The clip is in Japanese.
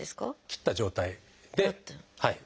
切った状態ではい。